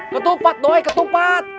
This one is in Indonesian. ketupat doi ketupat